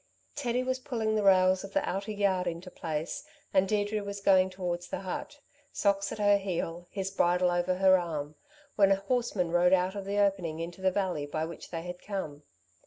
Teddy was pulling the rails of the outer yard into place and Deirdre was going towards the hut. Socks at her heels, his bridle over her arm, when a horseman rode out of the opening into the valley, by which they had come.